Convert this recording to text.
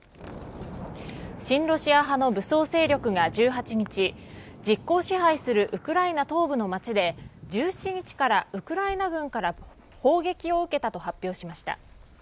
親ロシア派の武装勢力が１８日実効支配するウクライナ東部の街で１７日からウクライナ軍から砲撃を受けたと発表しました。